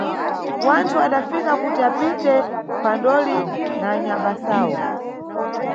Wanthu adafika kuti apite phwandoli na anyabasawo.